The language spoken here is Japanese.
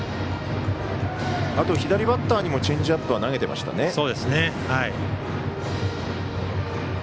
左バッターにもチェンジアップは投げてましたね。